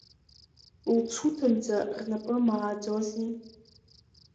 Лцуҭанӡа рнапы мааӡози.